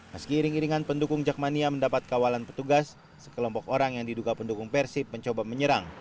meski iring iringan pendukung jakmania mendapat kawalan petugas sekelompok orang yang diduga pendukung persib mencoba menyerang